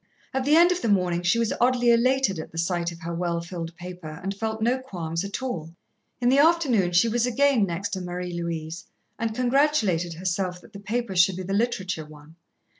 At the end of the morning she was oddly elated, at the sight of her well filled paper, and felt no qualms at all. In the afternoon she was again next to Marie Louise, and congratulated herself that the paper should be the literature one.